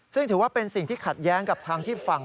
ซึ่งถือว่าเป็นสิ่งที่ขัดแย้งกับทางที่ฝั่ง